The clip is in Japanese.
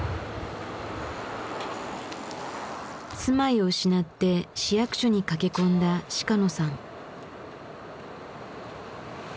住まいを失って市役所に駆け込んだ鹿野さん。